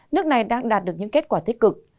nước này đang đạt được những kết quả tích cực